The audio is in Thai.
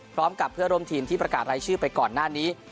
พร้อมกับเพื่อนร่วมทีมที่ประกาศรายชื่อไปก่อนหน้านี้